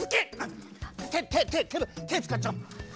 てててててつかっちゃおう。